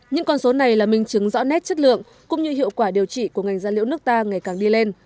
những con số này là minh chứng rõ nét chất lượng cũng như hiệu quả điều trị của ngành da liễu nước ta ngày càng đi lên